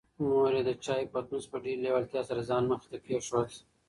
مور یې د چایو پتنوس په ډېرې لېوالتیا سره د ځان مخې ته کېښود.